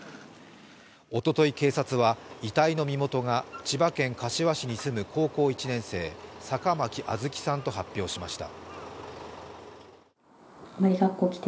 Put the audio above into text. おととい警察は遺体の身元が千葉県柏市に住む高校１年生、坂巻杏月さんと発表しました。